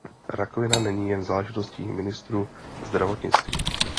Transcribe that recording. Rakovina není jen záležitostí ministrů zdravotnictví.